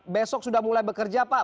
besok sudah mulai bekerja pak